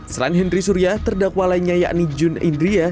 selain henry surya terdakwa lainnya yakni jun indria